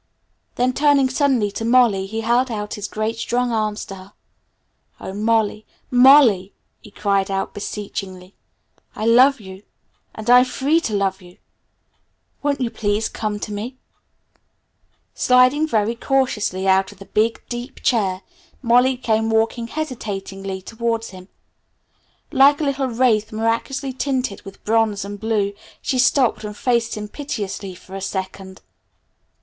Then turning suddenly to Molly he held out his great strong arms to her. "Oh, Molly, Molly!" he cried out beseechingly, "I love you! And I'm free to love you! Won't you please come to me?" [Illustration: "It's only Carl," he said] Sliding very cautiously out of the big, deep chair, Molly came walking hesitatingly towards him. Like a little wraith miraculously tinted with bronze and blue she stopped and faced him piteously for a second.